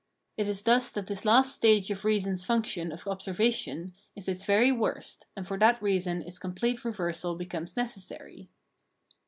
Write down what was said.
It is thus that this last stage of reason's function of observation is its very worst, and for that reason its complete reversal becomes necessary.